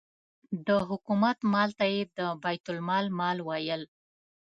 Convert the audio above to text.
د حکومت مال ته یې د بیت المال مال ویل.